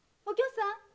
お杏さん？